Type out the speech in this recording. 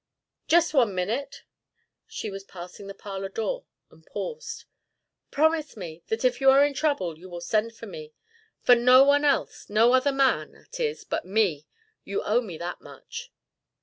"Just one minute!" She was passing the parlour door and paused. "Promise me that if you are in trouble you will send for me. For no one else; no other man, that is, but me. You owe me that much."